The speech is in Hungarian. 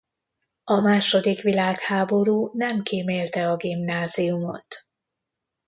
A második világháború nem kímélte a gimnáziumot.